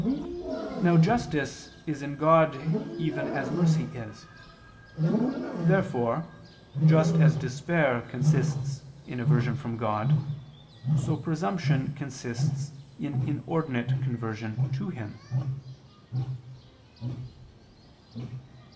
Now justice is in God even as mercy is. Therefore, just as despair consists in aversion from God, so presumption consists in inordinate conversion to Him.